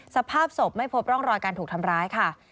สภาพศพไม่พบร่องรอยการถูกทำร้ายค่ะ